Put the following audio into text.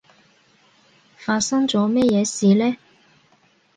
發生咗咩嘢事呢？